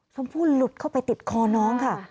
ชมพู่หลุดเข้าไปติดคอน้องค่ะ